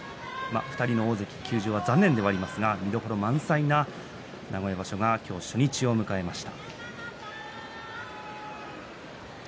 ２人の大関休場は残念ではありますが魅力満載の名古屋場所が初日を迎えました。